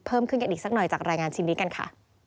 เพิ่มขึ้นกันอีกสักหน่อยจากรายงานชิ้นนี้กันค่ะ